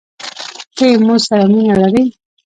ته يې مو سره مينه لرې؟